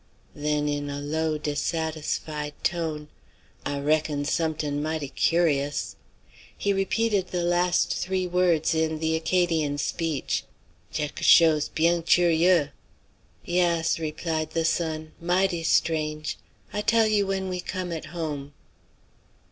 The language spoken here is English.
Then in a low dissatisfied tone "I reckon somet'in' mighty curious." He repeated the last three words in the Acadian speech: "Tcheuque chose bien tchurieux." "Yass," replied the son, "mighty strange. I tell you when we come at home."